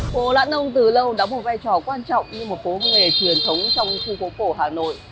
phố lãn nông từ lâu đóng một vai trò quan trọng như một phố nghề truyền thống trong khu phố cổ hà nội